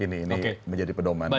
ini menjadi pedoman